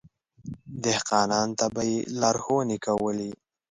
دهقانانو ته به يې لارښونې کولې.